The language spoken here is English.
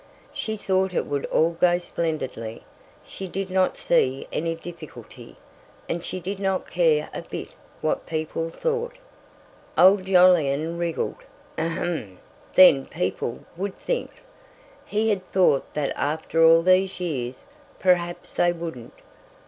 She thought it would all go splendidly; she did not see any difficulty, and she did not care a bit what people thought. Old Jolyon wriggled. H'm! then people would think! He had thought that after all these years perhaps they wouldn't!